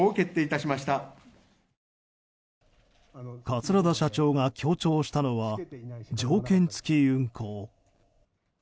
桂田社長が強調したのは条件付き運航。